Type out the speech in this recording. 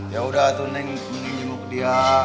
ya udah tuh neng mau jenguk dia